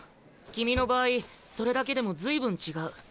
君の場合それだけでも随分違う。